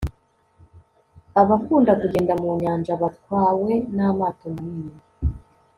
abakunda kugenda mu nyanja batwawe n'amato manini